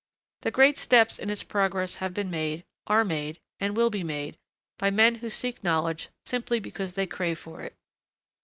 The great steps in its progress have been made, are made, and will be made, by men who seek knowledge simply because they crave for it.